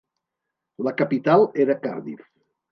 La capital era Cardiff.